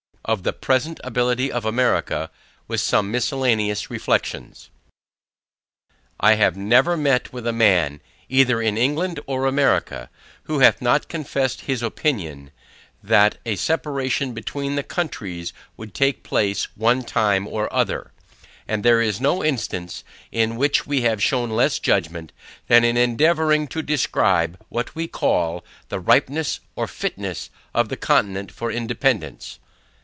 OF THE PRESENT ABILITY OF AMERICA, WITH SOME MISCELLANEOUS REFLEXIONS I HAVE never met with a man, either in England or America, who hath not confessed his opinion, that a separation between the countries, would take place one time or other: And there is no instance, in which we have shewn less judgment, than in endeavouring to describe, what we call, the ripeness or fitness of the Continent for independance.